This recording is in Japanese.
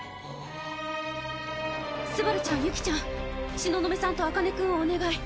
昴ちゃんユキちゃん東雲さんと茜君をお願い。